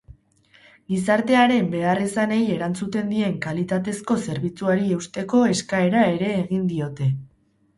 Gizartearen beharrizanei erantzuten dien kalitatezko zerbitzuari eusteko eskaera ere egin diote.